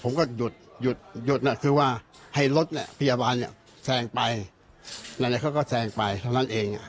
ผมไม่ได้ยินเลยนะ